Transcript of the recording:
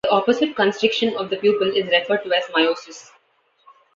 The opposite, constriction of the pupil, is referred to as miosis.